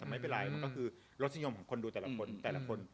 มันก็คือรสินิยมของคนดูแต่ละคน